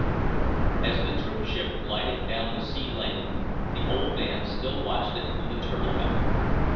As the troop ship glided down the sea lane, the old man still watched it from the turtle back.